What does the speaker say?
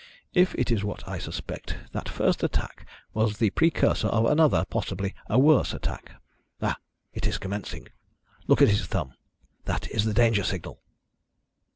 If it is what I suspect, that first attack was the precursor of another, possibly a worse attack. Ha! it is commencing. Look at his thumb that is the danger signal!"